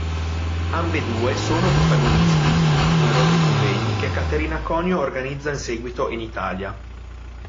Ambedue sono protagonisti di numerosi convegni, che Caterina Conio organizza in seguito in Italia.